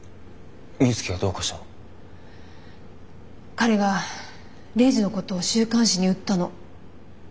彼がレイジのことを週刊誌に売ったの。